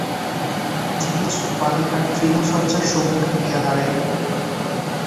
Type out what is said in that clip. চিকিৎসক বালিকার তৃণশয্যার সম্মুখে গিয়া দাঁড়াইলেন।